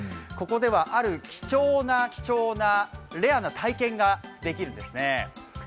ここでは、ある貴重な貴重な、レアな体験ができるんですね。